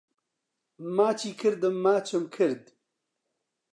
ماچی کردم ماچم کرد